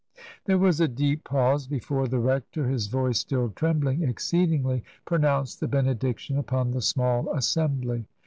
There was a deep pause before the rector, his voice still trembling exceedingly, pronounced the benediction upon the small assembly.